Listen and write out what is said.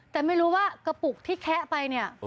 แต่ไม่รู้ว่ากระปุกที่แคะไปเนี่ย